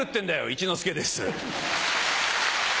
一之輔です。